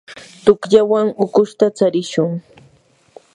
tuqllawan ukushuta tsarishun.